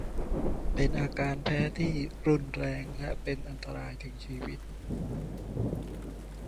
เป็นอาการแพ้ที่รุนแรงและเป็นอันตรายถึงชีวิต